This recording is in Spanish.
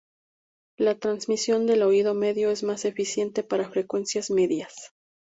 La transmisión del oído medio es más eficiente para frecuencias medias.